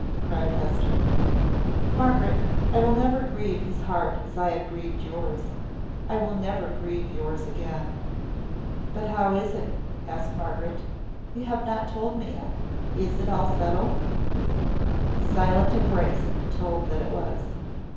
cried Hester. "Margaret, I will never grieve his heart as I have grieved yours. I will never grieve yours again." "But how is it?" asked Margaret. "You have not told me yet. Is it all settled?" A silent embrace told that it was.